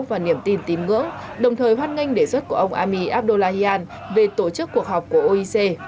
và niềm tin tín ngưỡng đồng thời hoan nghênh đề xuất của ông ami abdullahian về tổ chức cuộc họp của oec